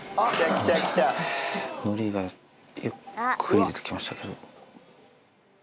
のりが、ゆっくり出てきました。